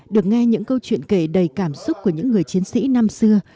được nghe những câu chuyện kể đầy cảm xúc của những người chiến sĩ năm xưa